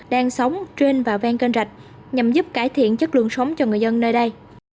đang sống trên và ven kênh rạch nhằm giúp cải thiện chất lượng sống cho người dân nơi đây